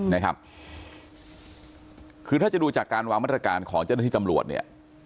นะครับคือถ้าจะดูจากการวางมาตรการของเจ้าหน้าที่ตำรวจเนี่ย